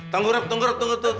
tunggu rep tunggu rep tunggu tunggu